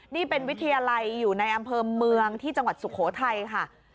นี่เป็นวิทยาลัยอยู่ในอำเภอเมืองที่จังหวัดสุโขทัยค่ะ